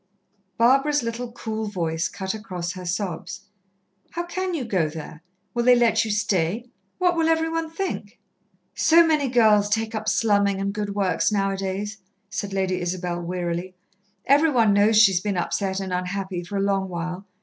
Barbara's little, cool voice cut across her sobs: "How can you go there? Will they let you stay? What will every one think?" "So many girls take up slumming and good works now a days," said Lady Isabel wearily. "Every one knows she's been upset and unhappy for a long while.